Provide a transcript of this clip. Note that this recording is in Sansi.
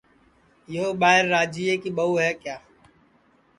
یو ٻائیر راجِئے ٻہُو ہے کِیا